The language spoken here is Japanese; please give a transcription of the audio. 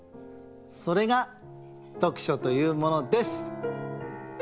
それが「どくしょ」というものです。